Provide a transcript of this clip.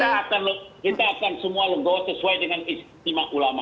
kita akan semua legowo sesuai dengan istimewa ulama